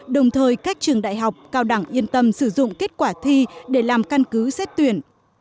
đồng thời các trường đại học cao đẳng yên tâm sử dụng kết quả thi để làm căn cứ xét tuyển